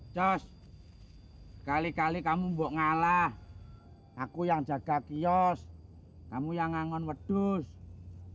josgala kali kamu mbok ngalah aku yang jaga kios kamu yang ngangon wedosition